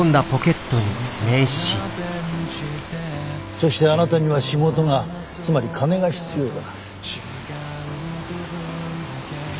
そしてあなたには仕事がつまり金が必要だ。